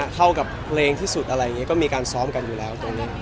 เข้ากับเพลงที่สุดอะไรอย่างนี้ก็มีการซ้อมกันอยู่แล้วตรงนี้